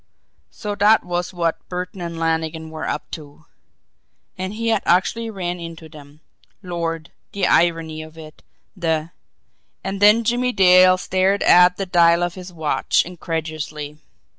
So that was what Burton and Lannigan were up to! And he had actually run into them! Lord, the irony of it! The And then Jimmie Dale stared at the dial of his watch incredulously.